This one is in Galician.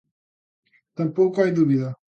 Tampouco hai dúbida.